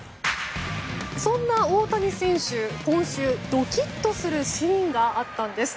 そんな大谷選手、今週ドキッとするシーンがあったんです。